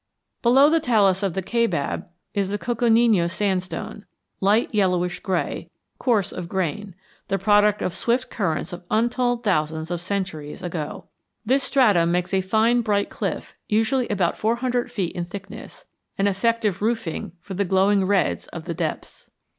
Below the talus of the Kaibab is the Coconino sandstone, light yellowish gray, coarse of grain, the product of swift currents of untold thousands of centuries ago. This stratum makes a fine bright cliff usually about four hundred feet in thickness, an effective roofing for the glowing reds of the depths.